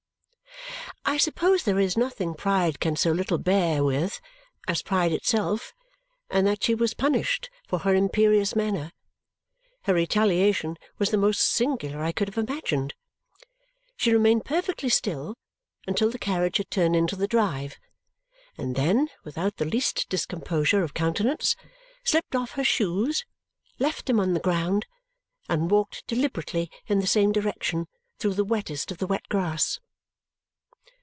I suppose there is nothing pride can so little bear with as pride itself, and that she was punished for her imperious manner. Her retaliation was the most singular I could have imagined. She remained perfectly still until the carriage had turned into the drive, and then, without the least discomposure of countenance, slipped off her shoes, left them on the ground, and walked deliberately in the same direction through the wettest of the wet grass.